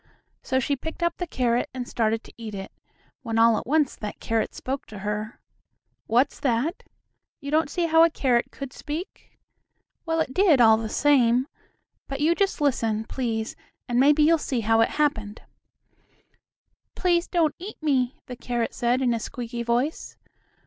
So she picked up the carrot and started to eat it, when all at once that carrot spoke to her. What's that? You don't see how a carrot could speak? Well, it did all the same. But you just listen, please, and maybe you'll see how it happened. "Please don't eat me," the carrot said, in a squeaky voice.